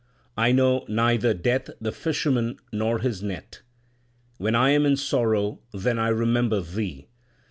I know neither Death the fisherman nor his net. When I am in sorrow, then I remember Thee.